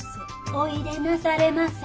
「おいでなされませ」。